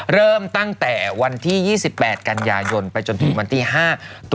เริ่มตั้งแต่วันที่๒๘กันยายนไปถึงวันที่๕ศุษยาโรงไทย